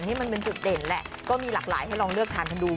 ให้มันเป็นจุดเด่นแหละก็มีหลากหลายให้ลองเลือกทานกันดู